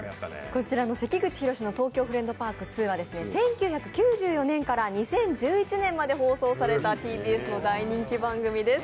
こちらの「関口宏の東京フレンドパークⅡ」は１９９４年から２０１１年まで放送されたＴＢＳの大人気番組です。